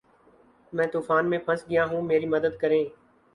میں طوفان میں پھنس گیا ہوں میری مدد کریں